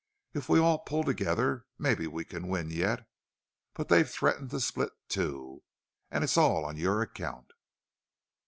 If we all pull together maybe we can win yet. But they've threatened to split, too. And it's all on your account!"